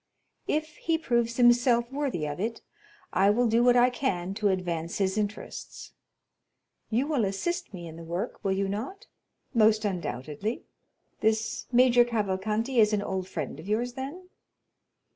If he proves himself worthy of it, I will do what I can to advance his interests. You will assist me in the work, will you not?" "Most undoubtedly. This Major Cavalcanti is an old friend of yours, then?"